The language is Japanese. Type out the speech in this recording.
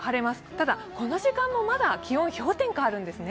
ただ、この時間もまだ気温は氷点下なんですね。